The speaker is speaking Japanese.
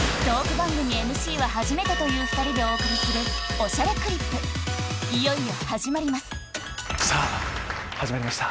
番組ＭＣは初めてという２人でお送りする『おしゃれクリップ』いよいよ始まりますさぁ始まりました。